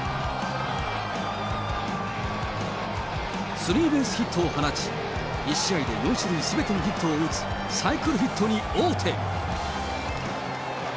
スリーベースヒットを放ち、１試合で４種類すべてのヒットを打つサイクルヒットに王手。